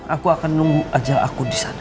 aku akan nunggu ajal aku di sana